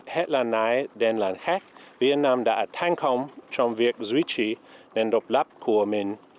hết lần này đến lần khác việt nam đã thành công trong việc duy trì nền độc lập của mình